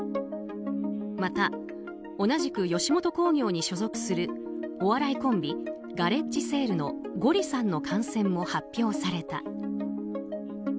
また同じく吉本興業に所属するお笑いコンビガレッジセールのゴリさんの感染も発表された。